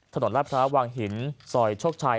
ถนนรัฐพร้าววางหินซอยชกชัย